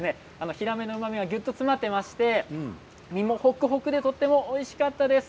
ヒラメのうまみがぎゅっと詰まっていまして身もホクホクでとてもおいしかったです。